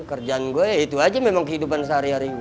kerjaan gue ya itu aja memang kehidupan sehari hari gue